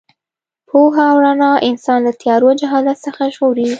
پوهه او رڼا انسان له تیارو او جهالت څخه ژغوري.